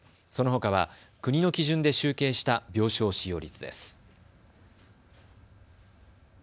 そのほかは国の基準で集計した病床使用率です。